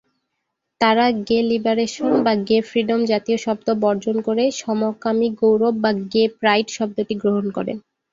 তারা "gay liberation" বা "gay freedom" জাতীয় শব্দ বর্জন করে "সমকামী গৌরব" বা "গে প্রাইড" শব্দটি গ্রহণ করেন।